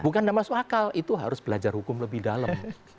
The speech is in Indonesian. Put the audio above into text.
bukan tidak masuk akal itu harus belajar hukum lebih dalam